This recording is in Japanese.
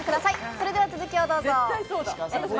それでは続きをどうぞ。